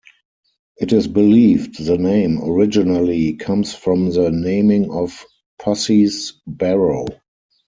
It is believed the name originally comes from the naming of 'Pusse's barrow'.